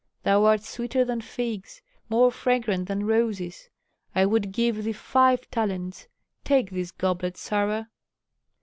Thou art sweeter than figs, more fragrant than roses. I would give thee five talents. Take this goblet, Sarah."